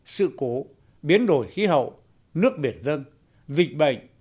sự cố biến đổi khí hậu nước biển dân dịch bệnh